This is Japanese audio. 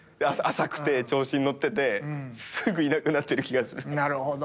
浅くて調子に乗っててすぐいなくなってる気が。